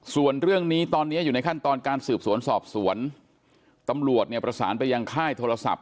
ส่วนสอบส่วนตำรวจเนี่ยประสานไปยังค่ายโทรศัพท์